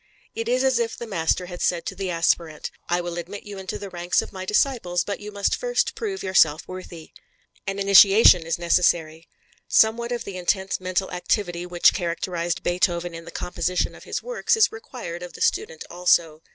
It is as if the master had said to the aspirant: "I will admit you into the ranks of my disciples, but you must first prove yourself worthy." An initiation is necessary; somewhat of the intense mental activity which characterized Beethoven in the composition of his works is required of the student also.